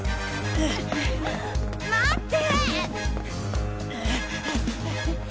待って！